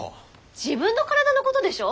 自分の体のことでしょ？